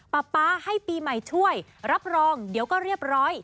ป๊าให้ปีใหม่ช่วยรับรองเดี๋ยวก็เรียบร้อย